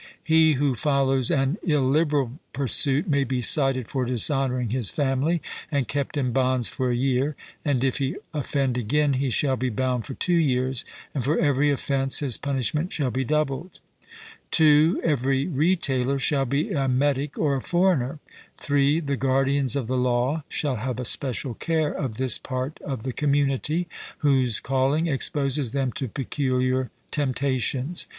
He who follows an illiberal pursuit may be cited for dishonouring his family, and kept in bonds for a year; and if he offend again, he shall be bound for two years; and for every offence his punishment shall be doubled: (2) Every retailer shall be a metic or a foreigner: (3) The guardians of the law shall have a special care of this part of the community, whose calling exposes them to peculiar temptations.